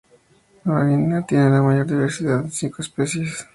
Nueva Guinea tiene la mayor diversidad, con cinco especies.